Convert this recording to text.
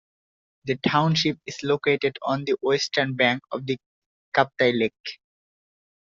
The township is located on the western bank of the Kaptai lake.